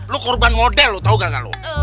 lu korban model lo tau gak lo